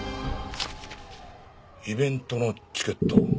イベントのチケット。